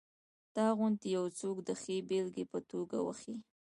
تا غوندې یو څوک د ښې بېلګې په توګه وښیي.